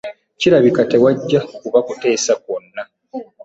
Kirabika tewajja kuba kuteesa kwonna.